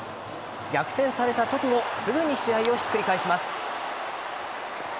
逆転された直後、すぐに試合をひっくり返します。